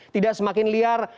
tidak semakin liar